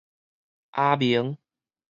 阿明